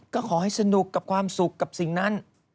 ก็ขอให้สนุกกับความสุขกับสิ่งนั้น